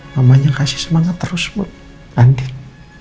mamanya kasih semangat terus buat gantin